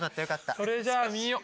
それじゃあ見よう。